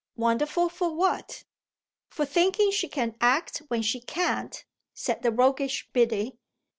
"Wonderful for what?" "For thinking she can act when she can't," said the roguish Biddy.